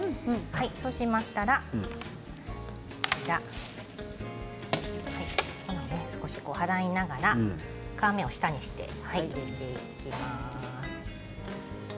そうしたら粉を少し払いながら皮目を下にして入れていきます。